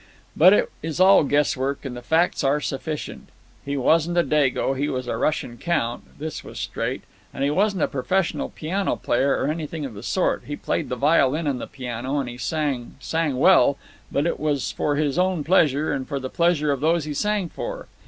But it is all guesswork, and the facts are, sufficient. He wasn't a dago; he was a Russian count—this was straight; and he wasn't a professional piano player or anything of the sort. He played the violin and the piano, and he sang—sang well—but it was for his own pleasure and for the pleasure of those he sang for.